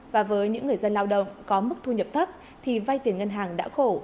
và với những người dân lao động có mức thu nhập thấp thì vay tiền ngân hàng đã khổ